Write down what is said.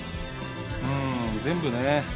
うん全部ね。